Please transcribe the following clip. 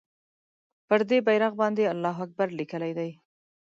پر دې بېرغ باندې الله اکبر لیکلی دی.